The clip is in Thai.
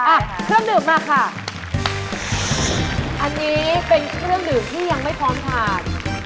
อ่ะเครื่องดื่มมาค่ะอันนี้เป็นเครื่องดื่มที่ยังไม่พร้อมทาน